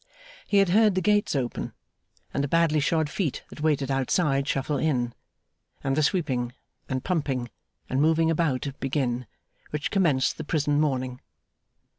He had heard the gates open; and the badly shod feet that waited outside shuffle in; and the sweeping, and pumping, and moving about, begin, which commenced the prison morning.